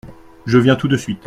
Je viens tout de suite.